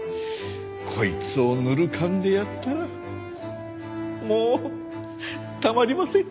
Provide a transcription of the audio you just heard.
こいつをぬる燗でやったらもうたまりません。